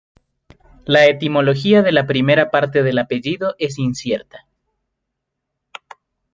La etimología de la primera parte del apellido es incierta.